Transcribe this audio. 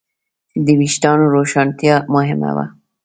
د وېښتیانو روښانتیا مهمه ده.